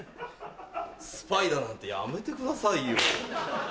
スパイだなんてやめてくださいよ。